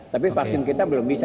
tapi vaksin kita belum bisa